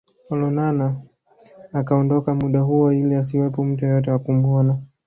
Olonana akaondoka muda huo ili asiwepo mtu yeyote wa kumuona